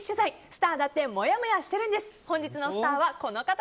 スターだってもやもやしてるんです！